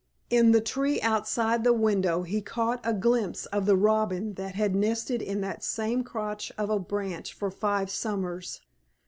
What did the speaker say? In the tree outside the window he caught a glimpse of the robin that had nested in that same crotch of a branch for five summers.